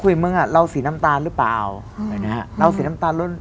คุยมึงอะเล่าสีน้ำตาลหรือเปล่า